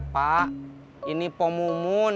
pak ini pak mumun